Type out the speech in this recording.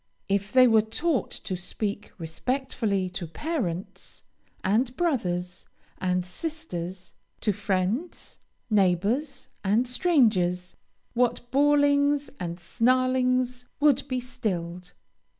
If they were taught to speak respectfully to parents, and brothers, and sisters, to friends, neighbors, and strangers, what bawlings, and snarlings would be stilled!